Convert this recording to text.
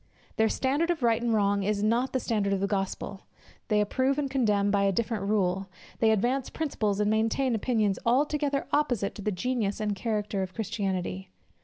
Their standard of right and wrong is not the standard of the gospel: they approve and condemn by a different rule; they advance principles and maintain opinions altogether opposite to the genius and character of Christianity.